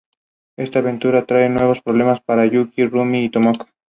Está considerada como una pieza clave de este periodo pictórico tan realista.